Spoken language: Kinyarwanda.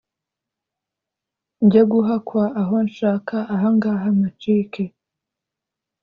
Njye guhakwa aho nshaka ahangaha mpacike